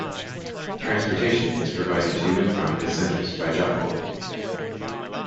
Transportation is provided to and from the centers by Job Corps.